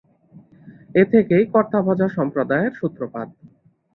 এ থেকেই কর্তাভজা সম্প্রদায়ের সূত্রপাত।